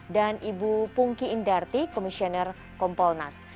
dan ibu pungki indarti komisioner kompolnas